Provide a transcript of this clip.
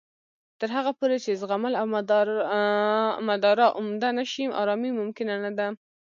تر هغه پورې چې زغمل او مدارا عمده نه شي، ارامۍ ممکنه نه ده